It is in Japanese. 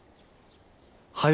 はよ